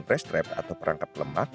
race trap atau perangkap lemak